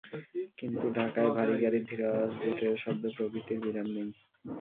কিন্তু ঢাকায় ভারী গাড়ির ধীর আওয়াজ, বুটের শব্দ প্রভৃতির বিরাম নেই।